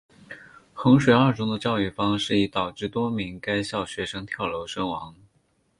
衡水二中的教育方式已导致多名该校学生跳楼身亡。